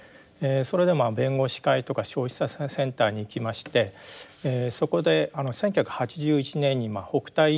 それで弁護士会とか消費者センターに行きましてそこで１９８１年に北炭夕張でですね